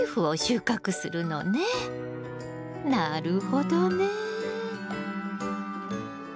なるほどね。